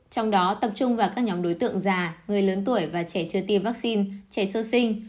trong đó tập trung vào các nhóm đối tượng già người lớn tuổi và trẻ chưa tiêm vaccine trẻ sơ sinh